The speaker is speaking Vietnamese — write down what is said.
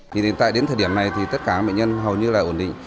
thì tại đến thời điểm này thì tất cả bệnh nhân hầu như là ổn định